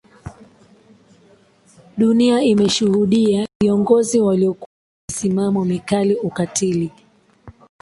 Dunia imeshuhudia viongozi waliokuwa na misimamo mikali ukatili